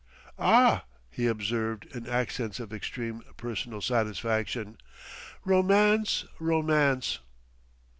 "Ah!" he observed in accents of extreme personal satisfaction. "Romance! Romance!"